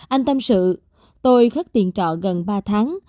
anh tâm sự tôi khớt tiền trọ gần ba tháng